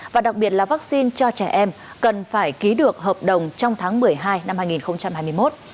và đặc biệt là vaccine cho trẻ em cần phải ký được hợp đồng trong tháng một mươi hai năm hai nghìn hai mươi một